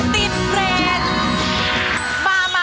ติดเล็ก